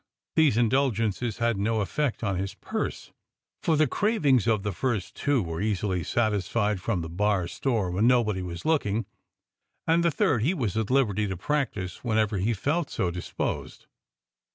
These indulgences had no effect on his purse, for the cravings of the first two were easily satisfied from the bar store when nobody was looking, and the third he was at liberty to practise whenever he felt so disposed.